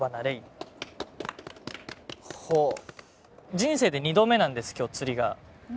人生で２度目なんです今日釣りが。